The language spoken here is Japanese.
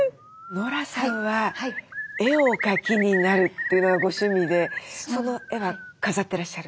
ノラさんは絵をお描きになるというのがご趣味でその絵は飾ってらっしゃる？